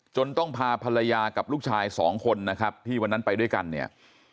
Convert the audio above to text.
ต้องพาภรรยากับลูกชายสองคนนะครับที่วันนั้นไปด้วยกันเนี่ย